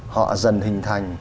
họ dần hình thành